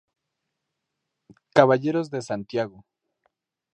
Caballeros de Santiago.